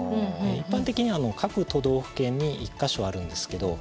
一般的に各都道府県に１か所あるんですけど。